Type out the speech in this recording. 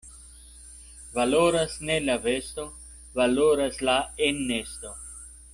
Valoras ne la vesto, valoras la enesto.